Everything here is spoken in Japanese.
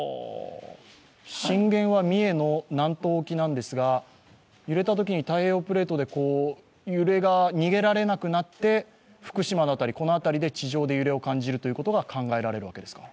震源は三重の南東沖なんですが、揺れたときに太平洋プレートで揺れが逃げられなくなって福島辺りで、地上で揺れを感じるということが考えられるわけですか。